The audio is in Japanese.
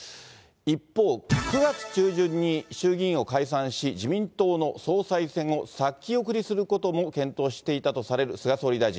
一方、９月中旬に衆議院を解散し、自民党の総裁選を先送りすることも検討していたとされる菅総理大臣。